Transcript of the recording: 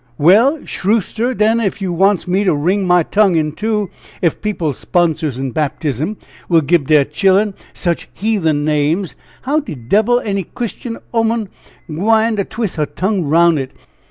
"Well, Shrooster, den, ef you wants me to wring my tongue in two. Ef people's sponsors in baptism will gib der chillun such heathen names, how de debbil any Christian 'oman gwine to twis' her tongue roun' it?